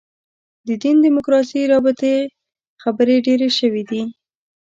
د دین دیموکراسي رابطې خبرې ډېرې شوې دي.